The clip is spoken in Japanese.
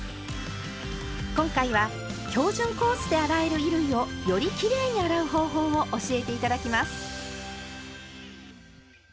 今回は「標準コースで洗える衣類」をよりきれいに洗う方法を教えて頂きます。